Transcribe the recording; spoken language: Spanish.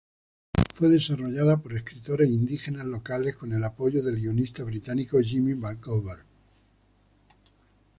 Fue desarrollada por escritores indígenas locales con el apoyo del guionista británico Jimmy McGovern.